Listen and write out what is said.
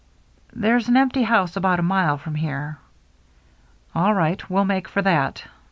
" There's an empty house about a mile from here." "All right, we'll make for that.